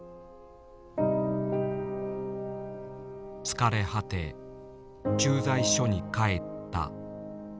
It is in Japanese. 疲れ果て駐在所に帰った。